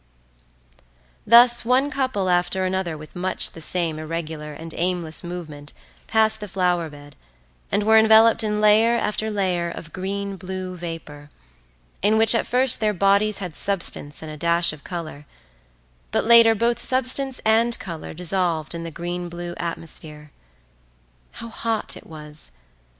Thus one couple after another with much the same irregular and aimless movement passed the flower bed and were enveloped in layer after layer of green blue vapour, in which at first their bodies had substance and a dash of colour, but later both substance and colour dissolved in the green blue atmosphere. How hot it was!